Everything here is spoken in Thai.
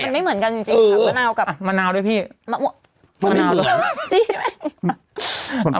มันไม่เหมือนกันจริงจริงค่ะมะนาวกับมะนาวด้วยพี่มะนาวเหรอจี้ไหม